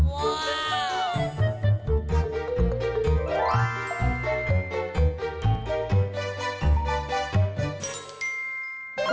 ว้าว